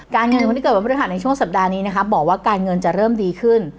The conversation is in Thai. เงินคนที่เกิดวันพฤหัสในช่วงสัปดาห์นี้นะคะบอกว่าการเงินจะเริ่มดีขึ้น